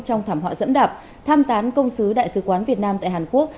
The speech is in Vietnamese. trong thảm họa dẫm đạp tham tán công sứ đại sứ quán việt nam tại hàn quốc